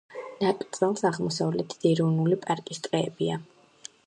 ნაკრძალს აღმოსავლეთით ეროვნული პარკის ტყეებია.